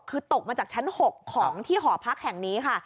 คือตกมาจากชั้น๖ของที่หอพักแห่งนี้ค่ะ